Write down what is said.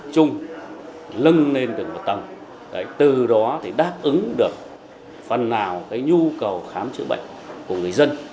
chung lưng lên từng một tầng từ đó đáp ứng được phần nào nhu cầu khám chữa bệnh của người dân